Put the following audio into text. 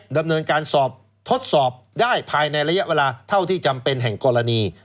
ดำเนินการสอบทดสอบได้ภายในระยะเวลาเท่าที่จำเป็นแห่งกรณี